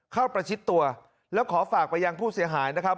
ประชิดตัวแล้วขอฝากไปยังผู้เสียหายนะครับ